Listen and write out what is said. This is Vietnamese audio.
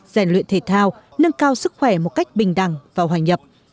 giải luyện thể thao nâng cao sức khỏe một cách bình đẳng và hoàn nhập